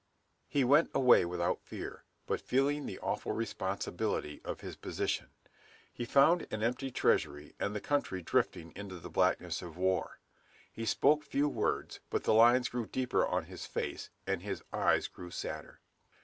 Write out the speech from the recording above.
He went away without fear, but feeling the awful responsibility of his position. He found an empty treasury and the country drifting into the blackness of war. He spoke few words, but the lines grew deeper on his face, and his eyes grew sadder.